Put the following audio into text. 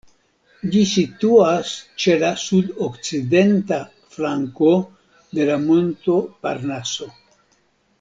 Ĝi situas ĉe la sud-okcidenta flanko de la monto Parnaso.